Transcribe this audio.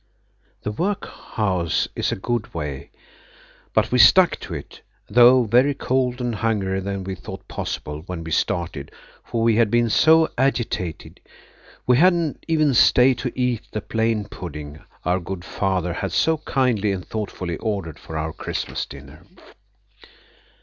The workhouse is a good way, but we stuck to it, though very cold, and hungrier than we thought possible when we started, for we had been so agitated we had not even stayed to eat the plain pudding our good Father had so kindly and thoughtfully ordered for our Christmas dinner.